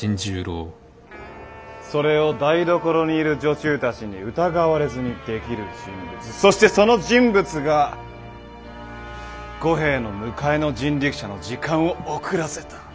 それを台所にいる女中たちに疑われずにできる人物そしてその人物が五兵衛の迎えの人力車の時間を遅らせた。